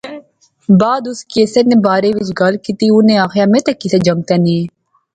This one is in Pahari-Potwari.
بعد اس کیسے نے بارے وچ گل کیتی۔ انیں آخیا میں تے کسے جنگتے نے